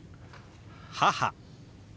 「母」。